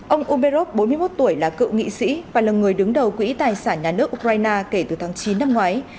ông umerov bốn mươi một tuổi là cựu nghị sĩ và là người đứng đầu quỹ tài sản nhà nước ukraine kể từ tháng chín năm ngoái